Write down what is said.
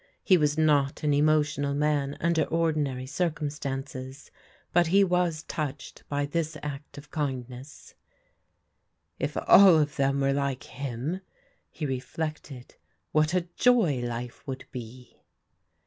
He was not an emotional man under ordinary circumstances^ but he was touched by this act of kindness. "If all of them were like him/' he reflected, " what a joy life would be."